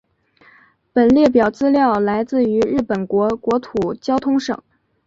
本列表资料来自于日本国国土交通省。